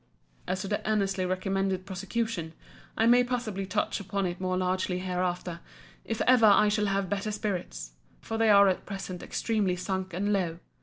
As to the earnestly recommended prosecution, I may possibly touch upon it more largely hereafter, if ever I shall have better spirits; for they are at present extremely sunk and low.